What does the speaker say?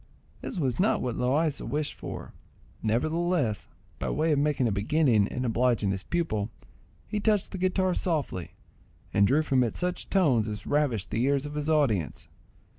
This was not what Loaysa wished for, nevertheless, by way of making a beginning and obliging his pupil, he touched the guitar softly, and drew from it such tones as ravished the ears of his audience.